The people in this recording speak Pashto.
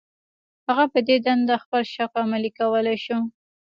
هغه په دې دنده خپل شوق عملي کولای شو.